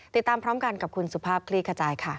ติดตามพร้อมกันกับคุณสุภาพคลี่ขจายค่ะ